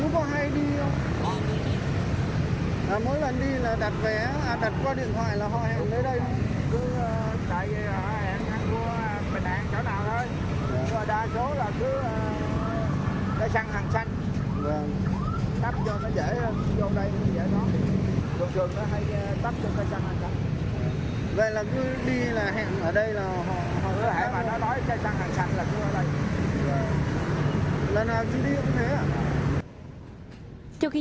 cây săn hàng xanh là nó sẽ giá đây thôi